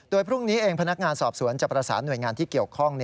โดยพรุ่งนี้เองพนักงานสอบสวนจะประสานหน่วยงานที่เกี่ยวข้อง